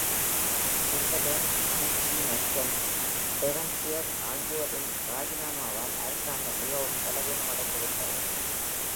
சேம்பர்லேன், Ritchie மற்றும் Devonshire ஆகியோரின் ராஜினாமாவால்அரசாங்கம் மிகவும் பலவீனமடைந்து விட்டது.